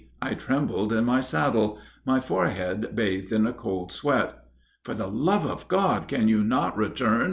I trembled in my saddle; my forehead bathed in a cold sweat." "'For the love of God! can you not return?'